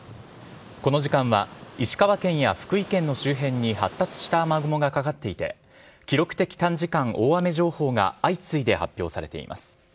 この時間は石川県や福井県の周辺に発達した雨雲がかかっていて記録的短時間大雨情報が相次いで発表されています。